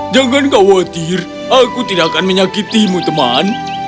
jangan khawatir aku tidak akan menyakitimu teman